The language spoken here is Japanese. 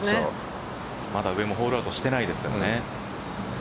まだ上もホールアウトしてないですからね。